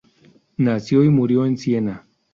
Nació y murió en Siena.